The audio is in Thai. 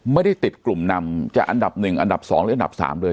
ไม่ได้ติดกลุ่มนำจะอันดับ๑อันดับ๒หรืออันดับ๓เลย